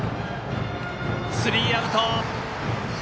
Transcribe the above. スリーアウト。